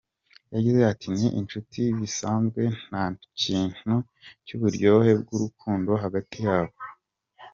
Yagize ati "Ni inshuti bisanzwe, nta kintu cy’uburyohe bw’urukundo hagati yabo.